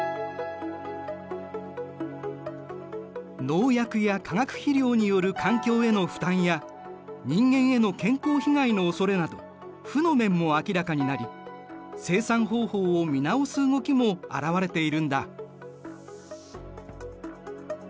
農薬や化学肥料による環境への負担や人間への健康被害のおそれなど負の面も明らかになり生産方法を見直す動きも現れているんだ。